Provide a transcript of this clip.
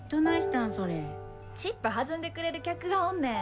チップはずんでくれる客がおんねん。